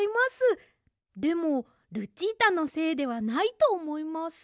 でもルチータのせいではないとおもいます。